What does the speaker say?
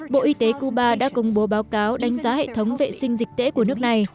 bộ y tế cuba đã công bố báo cáo đánh giá hệ thống vệ sinh dịch tễ của nước này